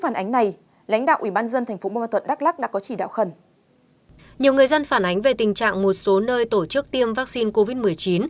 nhiều người dân phản ánh về tình trạng một số nơi tổ chức tiêm vaccine covid một mươi chín